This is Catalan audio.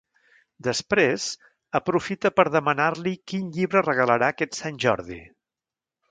Després, aprofita per demanar-li quin llibre regalarà aquest Sant Jordi.